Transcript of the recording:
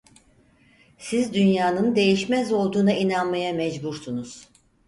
Siz dünyanın değişmez olduğuna inanmaya mecbursunuz!